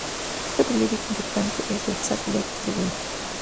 Otro periódico importante es el "Salt Lake Tribune".